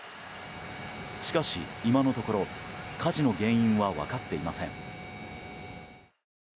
しかし、今のところ火事の原因は分かっていません。